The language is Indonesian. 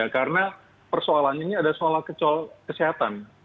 karena persoalan ini adalah soal kesehatan